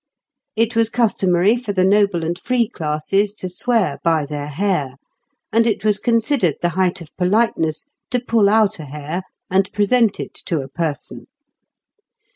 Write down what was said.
It was customary for the noble and free classes to swear by their hair, and it was considered the height of politeness to pull out a hair and present it to a person.